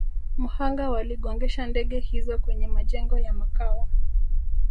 mhanga waligongesha ndege hizo kwenye majengo ya Makao